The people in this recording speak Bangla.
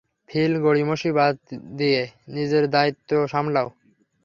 ফিল, গড়িমসি বাদ দিয়ে, নিজের দায়িত্ব সামলাও।